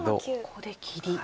ここで切り。